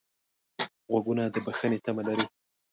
غوږونه د بښنې تمه لري